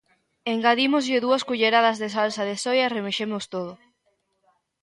Engadímoslle dúas culleradas de salsa de soia e remexemos todo.